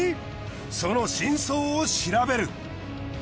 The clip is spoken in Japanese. その真相を調べる。